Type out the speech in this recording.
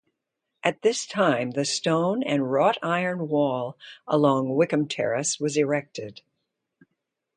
At this time the stone and wrought iron wall along Wickham Terrace was erected.